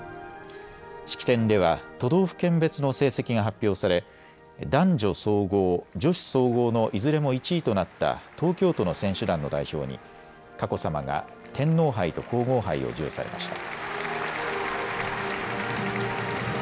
式典では都道府県別の成績が発表され男女総合、女子総合のいずれも１位となった東京都の選手団の代表に佳子さまが天皇杯と皇后杯を授与されました。